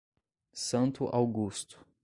Santo Augusto